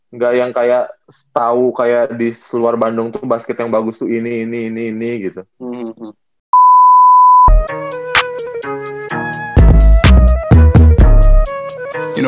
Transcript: nggak yang kayak tau kayak di seluar bandung tuh basket yang bagus tuh ini ini ini ini gitu